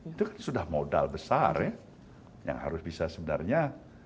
itu kan sudah modal besar ya yang harus bisa sebenarnya